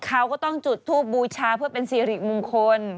เขาก็ต้องจุดทูบบูชาเพื่อเป็นสิริมงคล